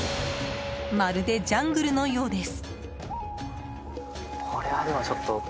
まるでジャングルのようです。